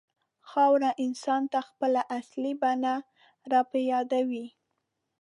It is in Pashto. خاوره انسان ته خپله اصلي بڼه راپه یادوي.